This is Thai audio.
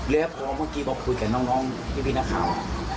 แล้วพอเมื่อกี้ก็คุยกับน้องพี่นักข่าว